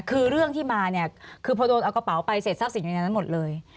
คือเรื่องที่มาเนี่ยคือพอโดนเอากระเป๋าไปเสร็จทรัพย์สินอยู่ในนั้นหมดเลย